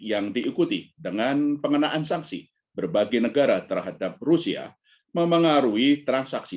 yang diikuti dengan pengenaan sanksi berbagai negara terhadap rusia memengaruhi transaksi